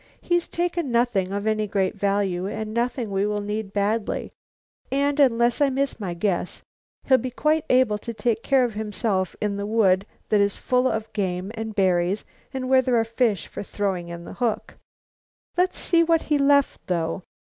"He's taken nothing of any great value and nothing we will need badly, and, unless I miss my guess, he'll be quite able to take care of himself in a wood that is full of game and berries and where there are fish for throwing in the hook. Let's see what he left, though."